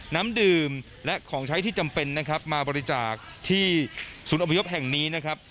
น้ำดื่มและของใช้ที่จำเป็นนะครับมาบริจาคที่ศูนย์อพยพแห่งนี้นะครับ